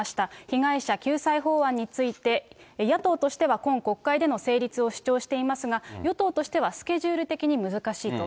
被害者救済法案について野党としては今国会での成立を主張していますが、与党としてはスケジュール的に難しいと。